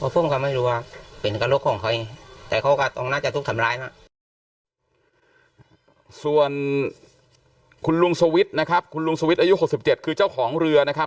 ส่วนคุณลุงสวิทย์นะครับคุณลุงสวิทย์อายุ๖๗คือเจ้าของเรือนะครับ